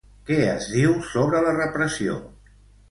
Què es diu sobre la repressió?